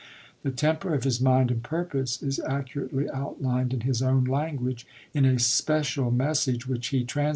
The temper of his mind and purpose is accurately outlined in his own language in a special message which he trans i86i.